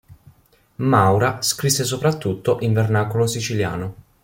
Maura scrisse soprattutto in vernacolo siciliano.